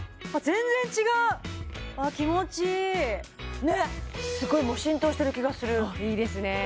全然違う気持ちいいねっすごい浸透してる気がするいいですね